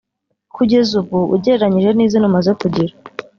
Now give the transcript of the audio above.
kugeza ubu ugereranyije n’izina umaze kugira